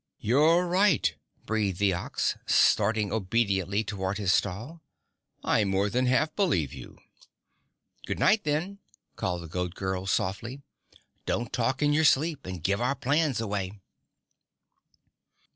"You're right," breathed the Ox, starting obediently toward his stall. "I more than half believe you." "Good night, then," called the Goat Girl softly. "Don't talk in your sleep and give our plans away."